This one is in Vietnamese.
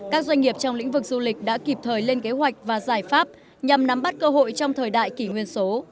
các doanh nghiệp trong lĩnh vực du lịch đã kịp thời lên kế hoạch và giải pháp nhằm nắm bắt cơ hội trong thời đại kỷ nguyên số